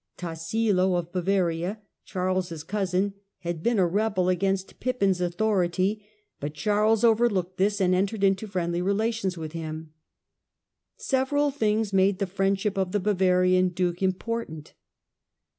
Tassilo of Bavaria, \ Charles' cousin, had been a rebel against Pippin's uthority, but Charles overlooked this and entered into riendly relations with him. Several things made the riendship of the Bavarian duke important.